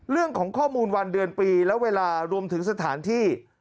เรื่องของข้อมูลวันเดือนปีและเวลารวมถึงสถานที่